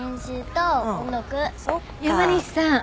山西さん。